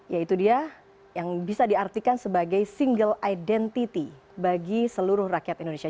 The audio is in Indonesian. yaitu dia yang bisa diartikan sebagai single identity bagi seluruh rakyat indonesia